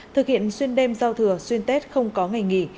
thực hiện xuyên đêm giao thừa xuyên tết không có ngày nghỉ